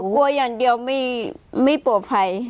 กลัวอย่างเดียวไม่ปลอดภัย